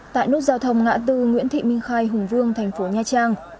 tại nút giao thông ngã tư nguyễn thị minh khai hùng vương thành phố nha trang